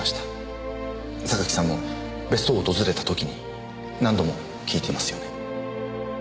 榊さんも別荘を訪れたときに何度も聞いていますよね？